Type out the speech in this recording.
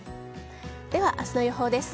では明日の予報です。